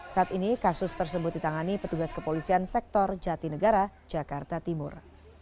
saat ini kasus tersebut ditangani petugas kepolisian sektor jatinegara jakarta timur